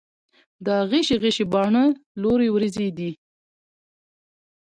دا غشي غشي باڼه، لورې وروځې دي